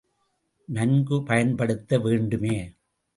நன்கு பயன்படுத்த வேண்டுமே!